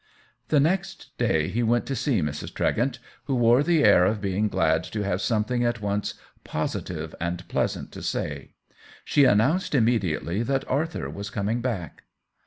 The next day he went to see Mrs. Tre gent, who wore the air of being glad to have something at once positive and pleas ant to say. She announced immediately that Arthur was coming back.